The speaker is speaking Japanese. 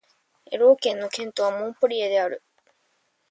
エロー県の県都はモンペリエである